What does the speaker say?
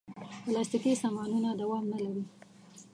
پلاستيکي سامانونه دوام نه لري.